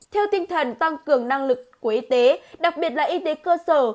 theo tinh thần tăng cường năng lực của y tế đặc biệt là y tế cơ sở